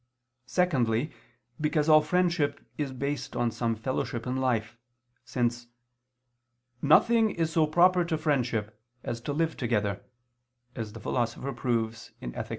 Secondly, because all friendship is based on some fellowship in life; since "nothing is so proper to friendship as to live together," as the Philosopher proves (Ethic.